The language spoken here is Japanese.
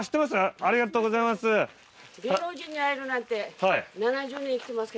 ありがとうございます。